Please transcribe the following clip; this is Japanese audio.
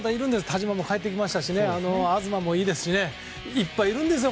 田嶋も帰ってきましたし東もいいですしいっぱいいるんですよ